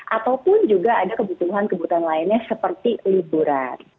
ataupun juga ada kebutuhan kebutuhan lainnya seperti liburan